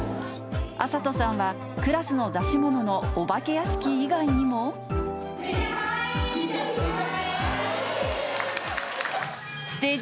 暁里さんは、クラスの出し物のお化け屋敷以外にも。かわいいー！